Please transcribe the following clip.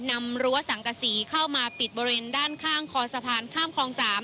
รั้วสังกษีเข้ามาปิดบริเวณด้านข้างคอสะพานข้ามคลอง๓